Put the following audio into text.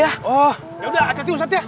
yaudah hati hati ustadz ya